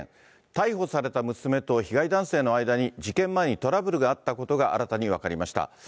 逮捕された娘と被害男性の間に事件前にトラブルがあったことが新たに分かりました。